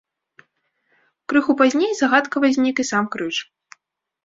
Крыху пазней загадкава знік і сам крыж.